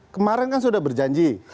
kemaren kan sudah berjanji